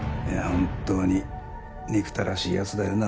本当に憎たらしいやつだよな